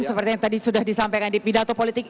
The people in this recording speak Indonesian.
seperti yang tadi sudah disampaikan di pidato politik